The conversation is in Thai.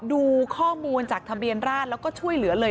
ดูข้อมูลจากทะเบียนราชแล้วก็ช่วยเหลือเลย